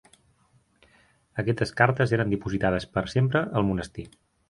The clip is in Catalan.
Aquestes cartes eren dipositades per sempre al monestir.